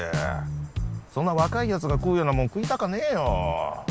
そんな若いやつが食うようなもん食いたかねえよ！